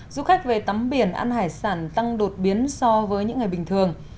du khách về tắm biển ăn hải sản tăng đột biến so với những ngày bình thường